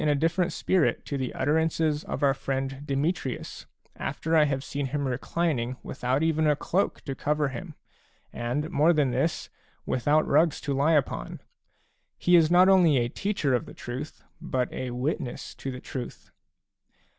a different spirit to the utterances of our friend Demetrius, after I have seen him reclining without even a cloak to cover him, and, more than this, with out rugs to lie upon. He is not only a teacher of the truth, but a witness to the truth.